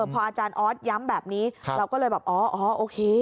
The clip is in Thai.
พออาจารย์ออสย้ำแบบนี้เราก็เลยแบบอ๋อโอเค